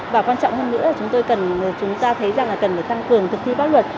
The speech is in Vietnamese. và quan trọng hơn nữa là chúng ta thấy cần tăng cường thực thi pháp luật